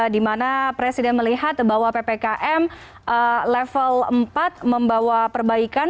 di mana presiden melihat bahwa ppkm level empat membawa perbaikan